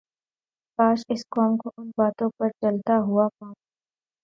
کاش اس قوم کو ان باتوں پر چلتا ھوا پاؤں